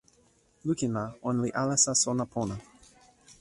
lukin la, ona li alasa sona pona.